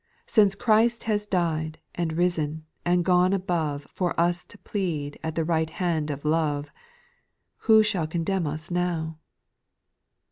Since Christ has died, and ris'n, and gone above For us to plead at the right hand of love, Who shall condemn us now